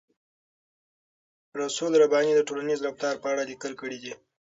رسول رباني د ټولنیز رفتار په اړه لیکل کړي دي.